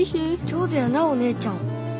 上手やなお姉ちゃん。